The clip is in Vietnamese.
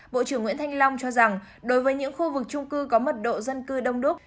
bộ trưởng nguyễn thanh long cho rằng đối với những khu vực trung cư có mật độ dân cư đông đúc